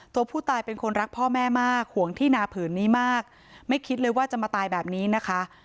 ตัวผู้ตายเป็นคนรักพ่อแม่มากห่วงที่นาผืนนี้มากไม่คิดเลยว่าจะมาตายแบบนี้นะคะ